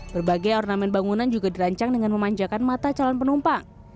berbagai ornamen bangunan juga dirancang dengan memanjakan mata calon penumpang